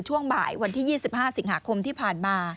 ช่วงบ่ายวันที่๒๕สิงหาคมที่ผ่านมา